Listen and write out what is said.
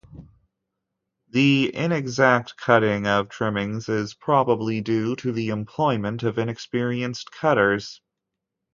The inexact cutting of trimmings is probably due to the employment of inexperienced cutters.